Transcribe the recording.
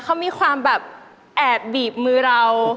เขามีความแบบแอบบีบมือเรา